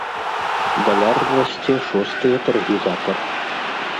Даляр расце шостыя таргі запар.